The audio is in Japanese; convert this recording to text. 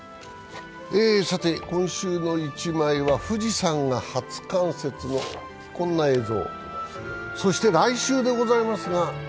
「今週の一枚」は富士山が初冠雪のこんな映像。